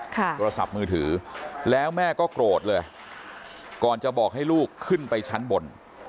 โทรศัพท์มือถือแล้วแม่ก็โกรธเลยก่อนจะบอกให้ลูกขึ้นไปชั้นบน